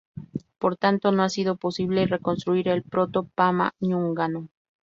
Por tanto, no ha sido posible reconstruir el proto-pama-ñungano.